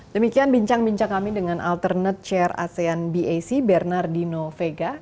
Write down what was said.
demikian bincang bincang kami dengan alternate chair asean bac bernardino vega